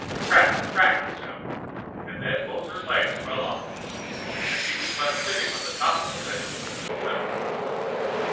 Crack, crack! it sounded; and then both her legs fell off, and she was left sitting on the top of the lid over the well.